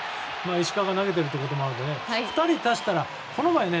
石川が投げているということもあって、２人足したらね。